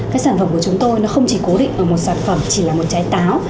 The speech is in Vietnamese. cái sản phẩm của chúng tôi nó không chỉ cố định ở một sản phẩm chỉ là một trái táo